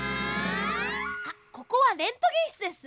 あっここはレントゲンしつです。